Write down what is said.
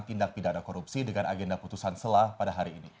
tindak pidana korupsi dengan agenda putusan selah pada hari ini